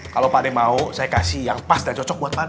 kalau pak d mau saya kasih yang pas dan cocok buat pak d